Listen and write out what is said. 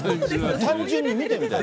単純に見てみたいと。